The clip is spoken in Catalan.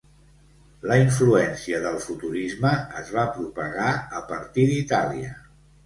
La influència del futurisme es va propagar a partir d'Itàlia.